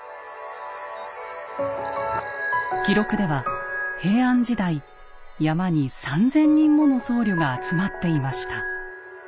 記録では平安時代山に３，０００人もの僧侶が集まっていました。